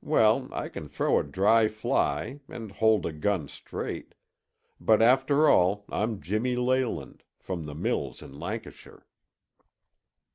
Well, I can throw a dry fly and hold a gun straight; but after all I'm Jimmy Leyland, from the mills in Lancashire."